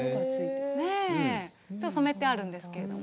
染めてあるんですけれども